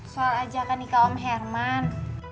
soal ajakan nikah om herman